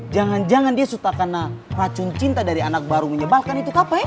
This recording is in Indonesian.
jangan jangan dia sudah kena racun cinta dari anak baru menyebalkan itu kapa ya